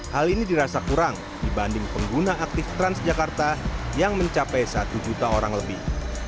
hal ini dirasa kurang dibanding pengguna aktif transjakarta yang mencapai satu juta orang lebih